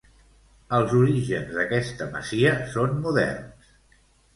Els orígens d'aquesta masia són moderns.